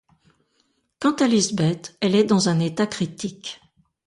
Quant à Lisbeth, elle est dans un état critique.